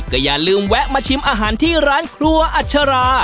ก็อย่าลืมแวะมาชิมอาหารที่ร้านครัวอัชรา